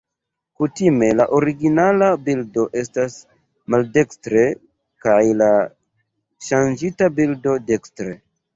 Kutime, la originala bildo estas maldekstre, kaj la ŝanĝita bildo dekstre.